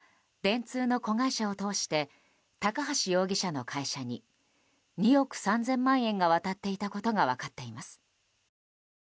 関係者によると２０１８年にＡＯＫＩ側から電通の子会社を通して高橋容疑者の会社に２億３０００万円が渡っていたことが分かっています。